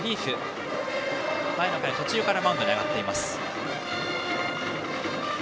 前の回の途中からマウンドに上がっています。